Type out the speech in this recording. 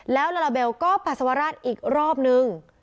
แล้วลาลาเบลก็ปัสสาวราชอีกรอบนึง